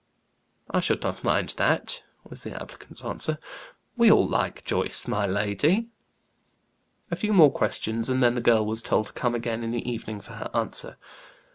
"I should not mind that," was the applicant's answer. "We all like Joyce, my lady." A few more questions, and then the girl was told to come again in the evening for her answer.